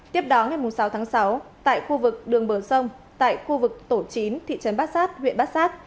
tiếp đó ngày sáu sáu tại khu vực đường bờ sông tại khu vực tổ chín thị trấn bát giác huyện bát giác